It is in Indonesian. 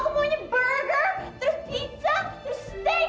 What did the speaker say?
aku punya burger terus pizza terus steak